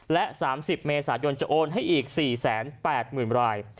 และ๓๐เมษายนจะโอนให้อีก๔๘๐๐๐ราย